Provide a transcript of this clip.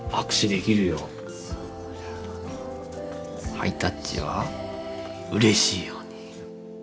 ハイタッチはうれしいよね。